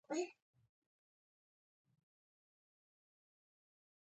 له موږ نه یې پوښتنه وکړه چې کاغذونه درکړي دي که نه.